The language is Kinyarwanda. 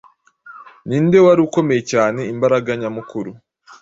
Ninde wari ukomeye cyane-imbaraga-nyamukuru